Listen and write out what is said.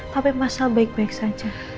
tapi mas al baik baik saja